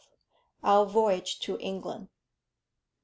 OUR VOYAGE TO ENGLAND.